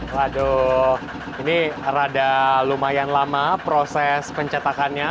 waduh ini rada lumayan lama proses pencetakannya